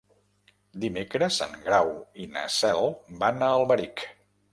Dimecres en Grau i na Cel van a Alberic.